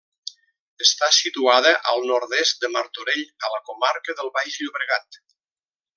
Està situada al nord-est de Martorell a la comarca del Baix Llobregat.